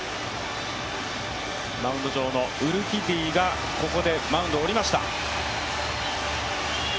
マウンド上のウルキディがここでマウンドを降りました。